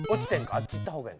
あっち行った方がええんか？